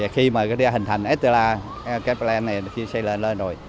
khi mà hình thành cái plan này xây lên rồi